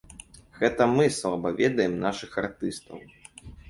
Гэта мы слаба ведаем нашых артыстаў.